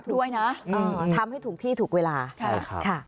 ทำให้ถูกที่ถูกเวลาใช่ครับ